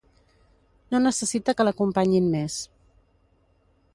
No necessita que l'acompanyin més.